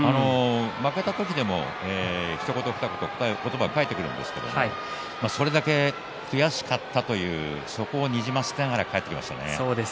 負けた時でも、ひと言ふた言は言葉が返ってくるんですがそれだけ悔しかったというそこをにじませながら帰ってきました。